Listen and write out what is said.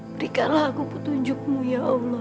berikanlah aku petunjukmu ya allah